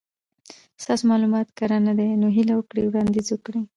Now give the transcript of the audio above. ستاسو مالومات کره ندي نو هیله وکړئ وړاندیز وکړئ